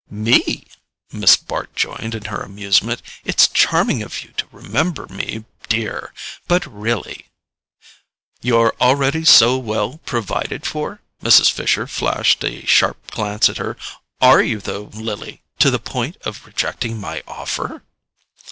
"Me?" Miss Bart joined in her amusement. "It's charming of you to remember me, dear; but really——" "You're already so well provided for?" Mrs. Fisher flashed a sharp glance at her. "ARE you, though, Lily—to the point of rejecting my offer?"